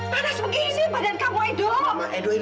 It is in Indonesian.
panas begitu badan kamu edo